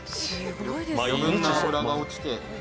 余分な脂が落ちて。